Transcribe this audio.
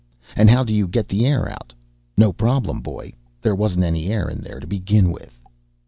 And how do you get the air out? No problem, boy, there wasn't any air in there to begin with.